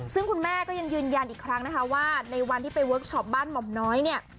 ซึ่งคุณแม่ก็ยังยืนยันอีกครั้งนะคะว่าในวันที่ไปเวิร์คชอปบ้านหม่อมน้อยเนี่ย